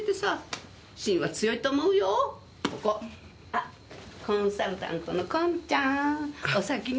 あっコンサルタントのコンちゃんお先ね